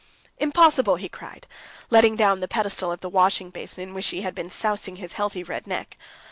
"Impossible!" he cried, letting down the pedal of the washing basin in which he had been sousing his healthy red neck.